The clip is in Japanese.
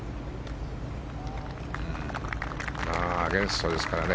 アゲンストですからね。